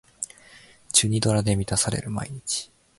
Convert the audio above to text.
チュニドラで満たされる毎日